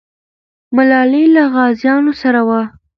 ملالۍ له غازیانو سره وه.